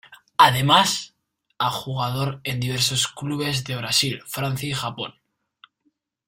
Además, ha jugador en diversos clubes de Brasil, Francia y Japón.